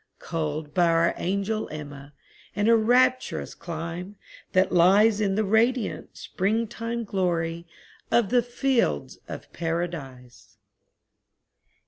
Culled by our angel Emma, In a rapturous clime, that lies In the radiant, springtime glory Of the fields of Paradise!